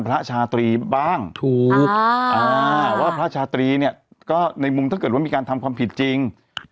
ชาตรีบ้างถูกว่าพระชาตรีเนี่ยก็ในมุมถ้าเกิดว่ามีการทำความผิดจริง